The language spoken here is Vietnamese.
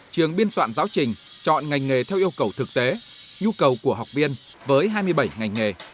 trường biên soạn giáo trình chọn ngành nghề theo yêu cầu thực tế nhu cầu của học viên với hai mươi bảy ngành nghề